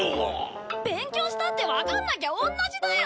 勉強したってわかんなきゃ同じだよ！